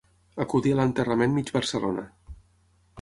Acudí a l'enterrament mig Barcelona.